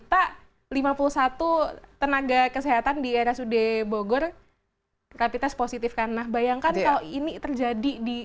lima puluh satu tenaga kesehatan di rsud bogor rapi tes positif karena bayangkan kalau ini terjadi di